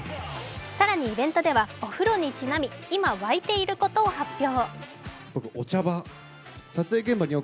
更に、イベントではお風呂にちなみ今沸いていることを発表。